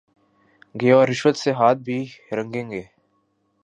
گے اور رشوت سے ہاتھ بھی رنگیں گے۔